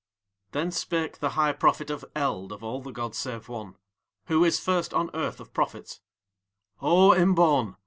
Then spake the High Prophet of Eld of All the gods save One, who is first on Earth of prophets: "O Imbaun!